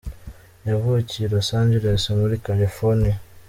Yavukiye i Los Angeles muri California.